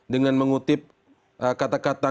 dengan mengutip kata kata